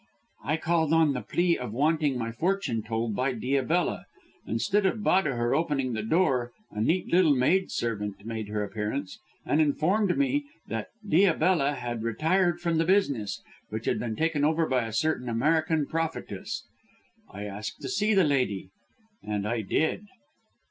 "I called on the plea of wanting my fortune told by Diabella. Instead of Bahadur opening the door a neat little maid servant made her appearance and informed me that Diabella had retired from the business, which had been taken over by a certain American prophetess. I asked to see the lady, and I did."